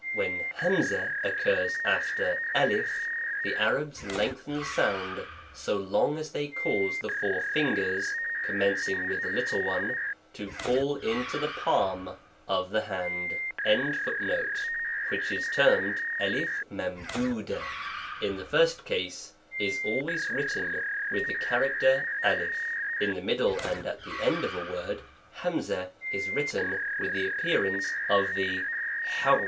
When ' occurs after J , the Arabs lengthen the k sound so long as they cause. Ihe four fingers (commencing with the little one) to fall into the palm of the 12 A TREATISE ON THE first case / is always written with the character I: in the middle and at the end of a word, ; is written . with the appearance of the ^Xce.